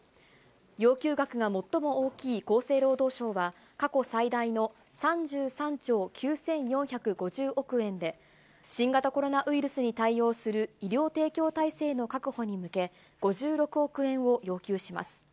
要求額が最も大きい厚生労働省は、過去最大の３３兆９４５０億円で、新型コロナウイルスに対応する医療提供体制の確保に向け、５６億円を要求します。